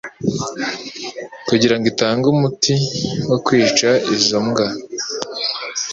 kugirengo itange umuti wo kwica izo mbwa